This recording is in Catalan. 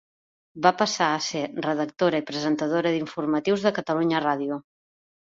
Va passar a ser redactora i presentadora d'informatius de Catalunya Ràdio.